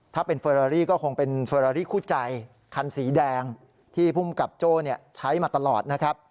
ถ้าเป็นเฟอรารี่ก็คงเป็นเฟอรารี่คู่ใจคันสีแดงที่ภูมิกับโจ้ใช้มาตลอดนะครับ